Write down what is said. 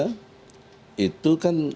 itu kan tidak bisa diperlakukan